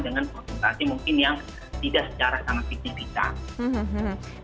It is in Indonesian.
dengan konsumsi mungkin yang tidak secara sangat tipis kita